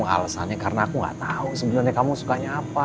alasannya karena aku gak tahu sebenarnya kamu sukanya apa